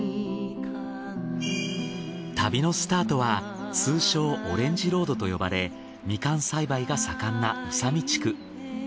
旅のスタートは通称オレンジロードと呼ばれみかん栽培が盛んな宇佐美地区。